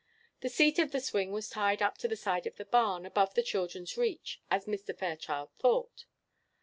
The seat of the swing was tied up to the side of the barn, above the children's reach, as Mr. Fairchild thought.